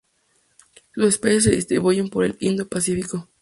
Sus especies se distribuyen por el Indo-Pacífico.